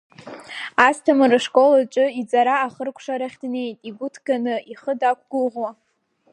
Асҭамыр ашкол аҿы иҵара ахыркәшарахь днеит игәы ҭганы, ихы дақәгәыӷуа.